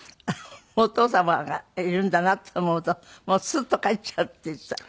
お父様がいるんだなって思うともうスッと帰っちゃうって言ってたわね。